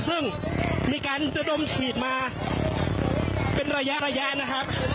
ซึ่งมีการระดมฉีดมาเป็นระยะระยะนะครับ